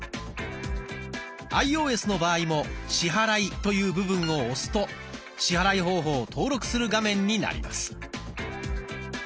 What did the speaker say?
アイオーエスの場合も「支払い」という部分を押すと支払い方法を登録する画面になります。